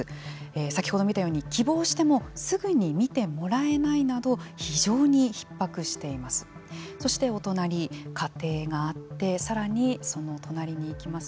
先ほど見たように希望してもすぐに見てもらえないなど非常にひっ迫しています。